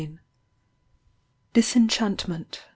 DISENCHANTMENT.